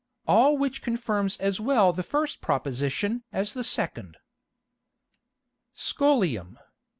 All which confirms as well the first Proposition as the second. _Scholium.